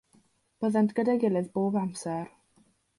Byddent gyda'i gilydd bob amser.